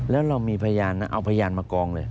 แล้วเรามีพยานนะเอาพยานมากองเลย